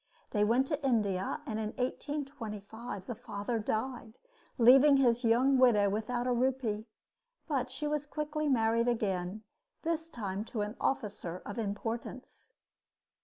They went to India, and in 1825 the father died, leaving his young widow without a rupee; but she was quickly married again, this time to an officer of importance.